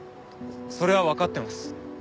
それは分かってます。